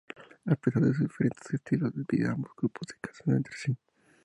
A pesar de sus diferentes estilos de vida, ambos grupos se casan entre sí.